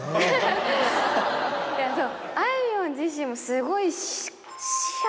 あいみょん自身もすごい。